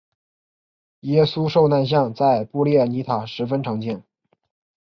耶稣受难像在布列尼塔十分常见。